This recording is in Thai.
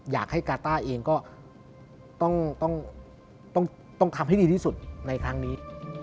อยากให้กาต้าเองก็ต้องทำให้ดีที่สุดในครั้งนี้